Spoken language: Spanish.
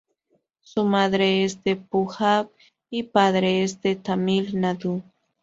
Su madre es de Punjab y padre es de Tamil Nadu.